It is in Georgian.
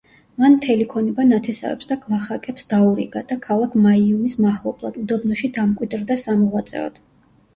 მან მთელი ქონება ნათესავებს და გლახაკებს დაურიგა და ქალაქ მაიუმის მახლობლად, უდაბნოში დამკვიდრდა სამოღვაწეოდ.